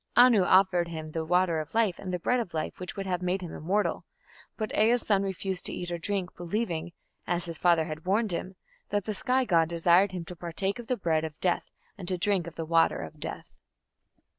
Anu offered him the water of life and the bread of life which would have made him immortal, but Ea's son refused to eat or drink, believing, as his father had warned him, that the sky god desired him to partake of the bread of death and to drink of the water of death.